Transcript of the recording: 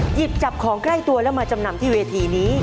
หยิบจับของใกล้ตัวแล้วมาจำนำที่เวทีนี้